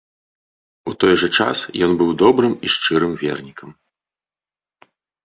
У той жа час ён быў добрым і шчырым вернікам.